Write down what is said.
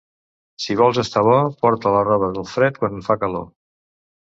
Si vols estar bo, porta la roba del fred quan fa calor.